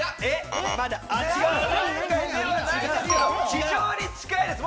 非常に近いです。